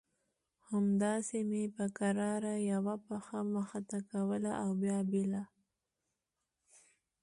همداسې مې په کراره يوه پښه مخته کوله او بيا بله.